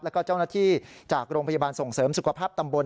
แล้วก็เจ้าหน้าที่จากโรงพยาบาลส่งเสริมสุขภาพตำบล